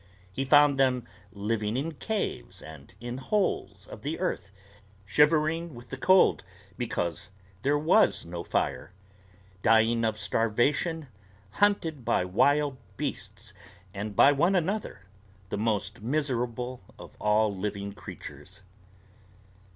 He found them living in caves and in holes of the earth, shivering with the cold because there was no fire, dying of starvation, hunted by wild beasts and by one another the most miserable of all living creatures.